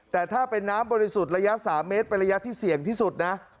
แต่ถ้าเป็นน้ำบริสุทธิ์ระยะ๓เมตรเป็นระยะที่เสี่ยงที่สุดนะ